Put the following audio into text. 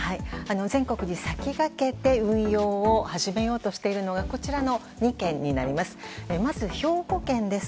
全国に先駆けて運用を始めようとしているのがこちらの２県になります。